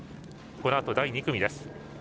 このあと、第２組です。